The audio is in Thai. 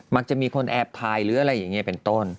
มันจะมีคนแอบถ่ายหรืออะไรอย่างนี้เป็นต้น